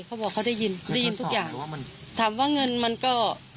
เขาบอกเขาได้ยินได้ยินทุกอย่างถามว่าเงินมันก็